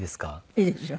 いいですよ。